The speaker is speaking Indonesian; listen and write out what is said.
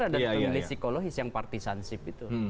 ada pemilih psikologis yang partisansip